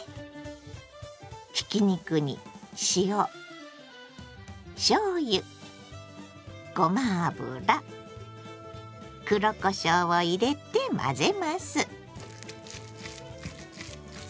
ひき肉に塩しょうゆごま油黒こしょうを入れて混ぜます。